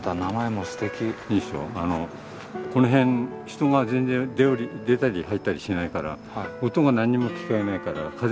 この辺人が全然出たり入ったりしないから音が何にも聞こえないからへ！